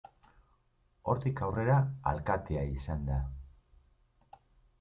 Hortik aurrera alkatea izan da.